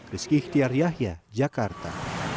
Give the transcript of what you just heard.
rizky ihtiar yahya jakarta